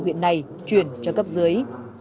huyện này chuyển cho cấp dưới